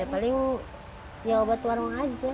ya paling ya obat warung aja